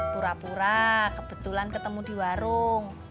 pura pura kebetulan ketemu di warung